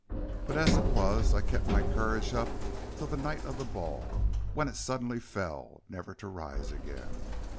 But as it was, I kept my courage up till the night of the ball, when it suddenly fell, never to rise again.